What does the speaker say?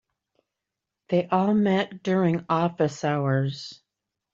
They all met during office hours.